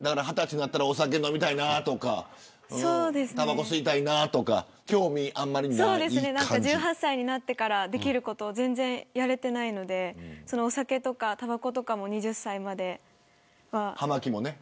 ２０歳になったらお酒飲みたいなとかたばこ吸いたいなとか興味はあんまりない１８歳になってからできること全然やれていないのでお酒とか、たばことかも２０歳までは。